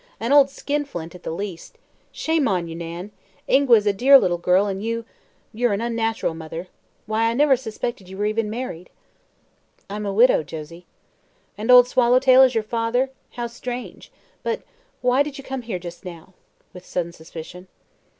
"An old skinflint, at the least. Shame on you, Nan! Ingua is a dear little girl, and you you're an unnatural mother. Why, I never suspected you were even married." "I'm a widow, Josie." "And Old Swallowtail is your father? How strange. But why did you come here just now?" with sudden suspicion.